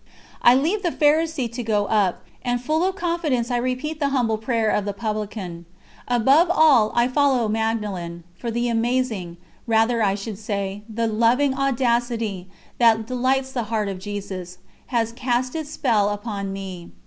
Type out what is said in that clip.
I leave the Pharisee to go up, and full of confidence I repeat the humble prayer of the Publican. Above all I follow Magdalen, for the amazing, rather I should say, the loving audacity, that delights the Heart of Jesus, has cast its spell upon mine.